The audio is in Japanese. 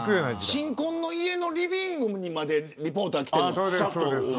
新婚の家のリビングにまでリポーターが来て。